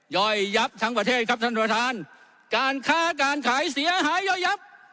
ย่อยยับทั้งประเทศครับท่านประธานการค้าการขายเสียหายย่อยยับ